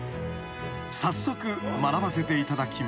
［早速学ばせていただきます］